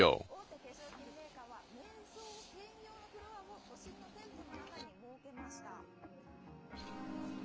大手化粧品メーカーはめい想専用のフロアを都心の店舗の中に設けました。